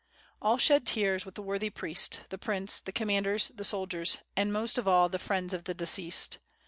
All shed tears with the worthy priest, the prince, the com manders, the soldiers, and, most of all, the friends of the deceased.